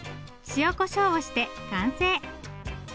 塩こしょうをして完成。